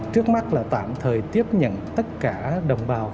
trước mắt là tạm thời tiếp nhận tất cả đồng bào